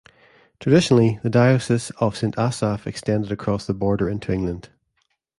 Traditionally, the Diocese of Saint Asaph extended across the border into England.